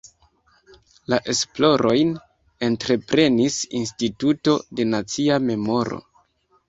La esplorojn entreprenis Instituto de Nacia Memoro.